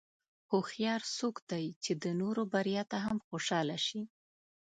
هوښیار څوک دی چې د نورو بریا ته هم خوشاله شي.